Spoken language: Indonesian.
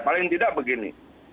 paling tidak begini